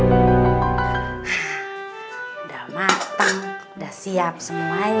sudah matang udah siap semuanya